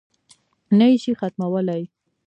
نه یې شي ختمولای.